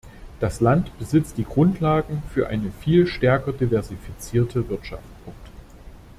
Das Land besitzt die Grundlagen für eine viel stärker diversifizierte Wirtschaft.